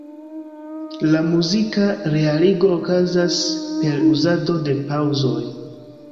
La muzika realigo okazas per uzado de paŭzoj.